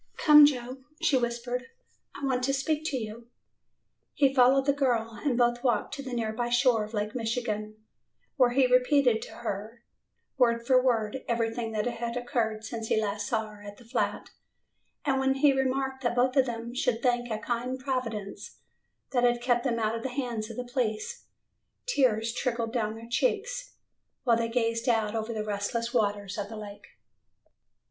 ] "Come, Joe," she whispered, "I want to speak to you." He followed the girl and both walked to the nearby shore of Lake Michigan, where he repeated to her word for word everything that had occurred since he last saw her at the flat, and when he remarked that both of them should thank a kind Providence that had kept them out of the hands of the police, tears trickled down their cheeks, while they gazed out over the restless waters of the lake.